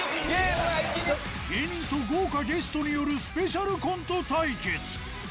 芸人と豪華ゲストによるスペシャルコント対決。